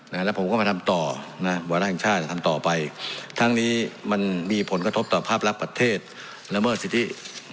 นาแล้วผมก็มาทำต่อนะวันหลักชาติทำต่อไปทั้งนี้มันมีผลกระทบต่อภาพรับประเทศเป็นเมิดสิ้นที่